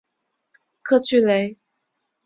曾任远东国际军事法庭检察官顾问。